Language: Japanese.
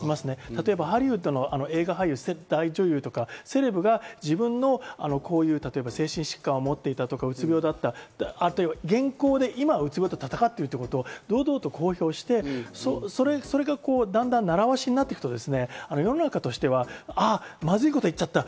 例えばハリウッドの映画俳優、大女優とかセレブが自分の精神疾患を持っていたとか、うつ病だった、そして今、うつ病と闘っていることを堂々と公表して、それがだんだん習わしになっていくと、世の中としては、まずいこと言っちゃった。